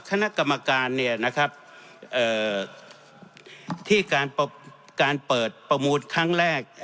คณะกรรมการที่การเปิดประมูลครั้งแรก